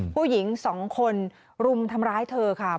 ผู้หญิง๒คนรุมทำร้ายเธอค่ะ